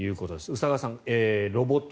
宇佐川さん、ロボット